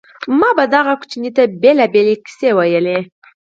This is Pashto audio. ما به دغه ماشوم ته بېلابېلې کيسې ويلې.